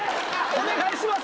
お願いします！